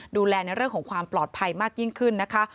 ดูแลในเรื่องของความปลอดภัยมากยิ่งขึ้นนะคะ